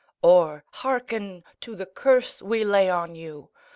Orâhearken to the curse we lay on you!